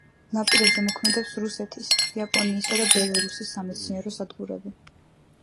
ნაპირებზე მოქმედებს რუსეთის, იაპონიისა და ბელორუსის სამეცნიერო სადგურები.